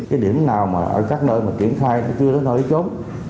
cái điểm nào ở các nơi kiểm khai chưa đến nơi chốn